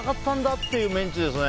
っていうメンチですね。